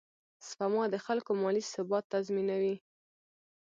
سپما د خلکو مالي ثبات تضمینوي.